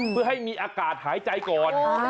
เพื่อให้มีอากาศหายใจก่อน